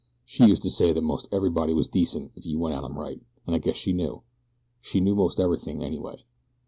She used to say that most everybody was decent if you went at 'em right, an' I guess she knew. She knew most everything, anyway.